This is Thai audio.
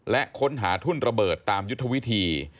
และค้นหาทุ่นระเบิดตามยุทธวิธี